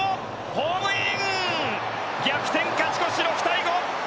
ホームイン！逆転、勝ち越し、６対５。